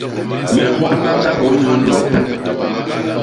Me nhôbna ñgañgô inyuu nop.